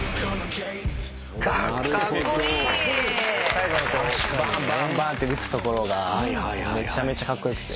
最後のバンバンバンって撃つところがめちゃめちゃカッコ良くて。